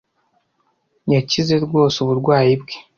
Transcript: Yakize rwose uburwayi bwe.